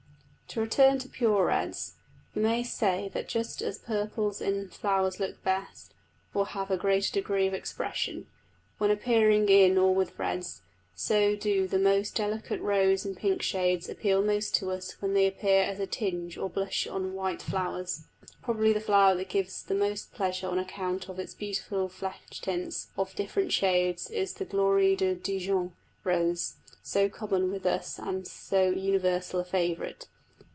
To return to pure reds. We may say that just as purples in flowers look best, or have a greater degree of expression, when appearing in or with reds, so do the most delicate rose and pink shades appeal most to us when they appear as a tinge or blush on white flowers. Probably the flower that gives the most pleasure on account of its beautiful flesh tints of different shades is the Gloire de Dîjon rose, so common with us and so universal a favourite.